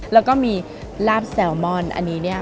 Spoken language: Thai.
แล้วก็มีลาบแซลมอนอันนี้